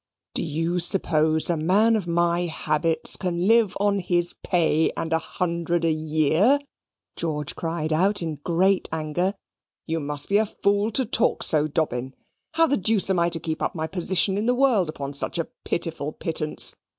"Do you suppose a man of my habits can live on his pay and a hundred a year?" George cried out in great anger. "You must be a fool to talk so, Dobbin. How the deuce am I to keep up my position in the world upon such a pitiful pittance?